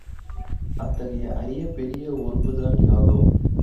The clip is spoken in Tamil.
அத்தகைய அரிய பெரிய ஒறுப்புதான் யாதோ?